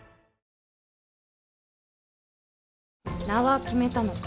名は決めたのか。